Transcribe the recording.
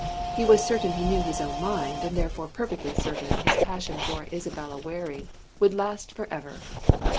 He was certain he knew his own mind, and therefore perfectly certain his passion for Isabella Waring would last for ever!